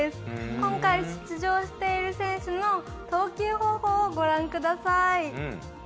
今回、出場している選手の投球方法をご覧ください。